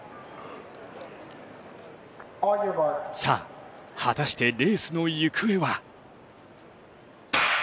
さぁ、果たしてレースの行方は？